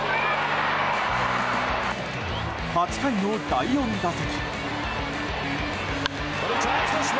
８回の第４打席。